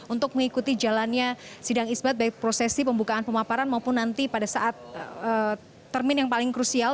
untuk mengikuti jalannya sidang isbat baik prosesi pembukaan pemaparan maupun nanti pada saat termin yang paling krusial